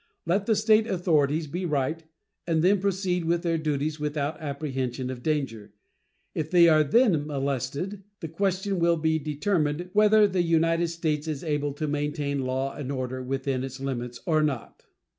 Let the State authorities be right, and then proceed with their duties without apprehension of danger. If they are then molested, the question will be determined whether the United States is able to maintain law and order within its limits or not.